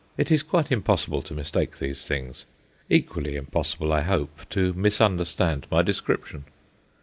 It is quite impossible to mistake these things; equally impossible, I hope, to misunderstand my description.